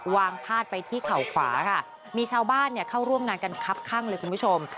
พาดไปที่เข่าขวาค่ะมีชาวบ้านเนี่ยเข้าร่วมงานกันครับข้างเลยคุณผู้ชม